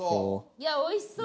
いやおいしそう。